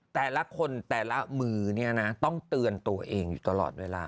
แต่ละคนแต่ละมือเนี่ยนะต้องเตือนตัวเองอยู่ตลอดเวลา